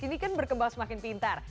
ini kan berkembang semakin pintar